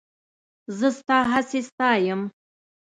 زه ستا هڅې ستایم.